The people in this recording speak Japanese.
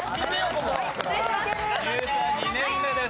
入社２年目です。